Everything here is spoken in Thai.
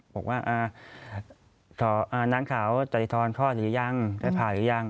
บอกว่าน้างขาวจริงพ่อหรือยังจะผ่าหรือยัง